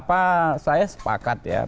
apa saya sepakat ya